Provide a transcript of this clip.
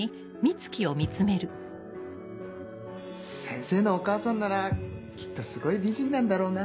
先生のお母さんならきっとすごい美人なんだろうな。